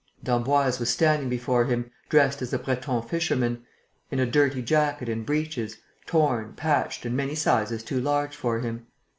D'Emboise was standing before him, dressed as a Breton fisherman, in a dirty jacket and breeches, torn, patched and many sizes too large for him.